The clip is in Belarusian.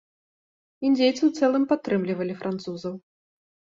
Індзейцы ў цэлым падтрымлівалі французаў.